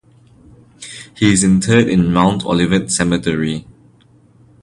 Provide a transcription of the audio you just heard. He is interred in Mount Olivet Cemetery.